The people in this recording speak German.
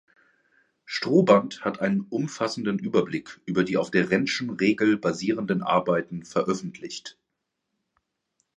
Stroobandt hat einen umfassenden Überblick über die auf der Rent’schen Regel basierenden Arbeiten veröffentlicht.